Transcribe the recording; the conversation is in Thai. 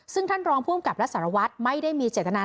ซึ่งท่านรองภูมิกับและสารวัตรไม่ได้มีเจตนา